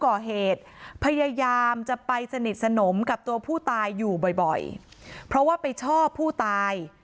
ก่อเหตุพยายามจะไปสนิทสนมกับตัวผู้ตายอยู่บ่อยเพราะว่าไปชอบผู้ตาย